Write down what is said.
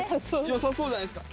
よさそうじゃないですか。